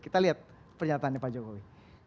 kita lihat pernyataannya pak jokowi